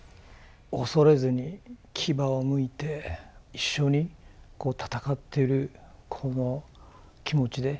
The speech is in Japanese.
恐れずに牙をむいて一緒に戦ってるこの気持ちで。